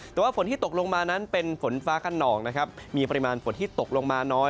แต่ว่าฝนที่ตกลงมานั้นเป็นฝนฟ้าขนองนะครับมีปริมาณฝนที่ตกลงมาน้อย